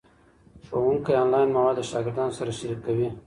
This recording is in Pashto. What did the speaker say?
ښوونکي آنلاین مواد له شاګردانو سره شریکوي.